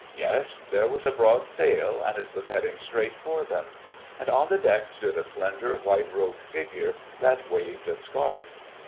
Yes, there was a broad sail and it was heading straight for them. And on the deck stood a slender, white robed figure that waved a scarf.